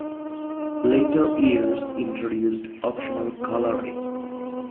Later years introduced optional coloring.